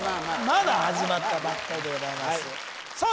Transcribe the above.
まだ始まったばかりでございますさあ